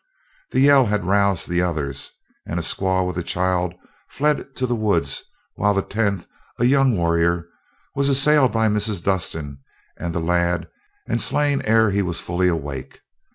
The yell had roused the others, and a squaw with a child fled to the woods, while the tenth, a young warrior, was assailed by Mrs. Dustin and the lad and slain ere he was fully awake.